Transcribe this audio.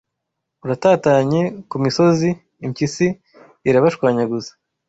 uratatanye ku misozi! Impyisi irabashwanyaguza